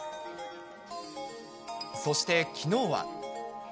そしてきのうは。